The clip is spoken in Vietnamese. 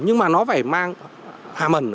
nhưng mà nó phải mang hà mẩn